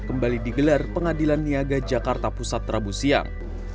kembali digelar pengadilan niaga jakarta pusat rabu siang